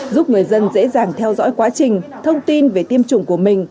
giúp người dân dễ dàng theo dõi quá trình thông tin về tiêm chủng của mình